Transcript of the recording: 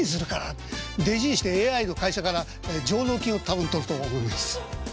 弟子にしてＡＩの会社から上納金を多分取ると思います。